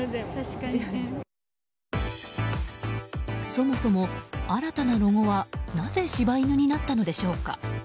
そもそも、新たなロゴはなぜ柴犬になったのでしょうか。